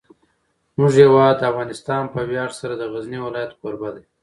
زموږ هیواد افغانستان په ویاړ سره د غزني ولایت کوربه دی.